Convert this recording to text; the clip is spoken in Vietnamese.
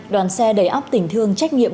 đoàn xe đầy ấp tình thương trách nhiệm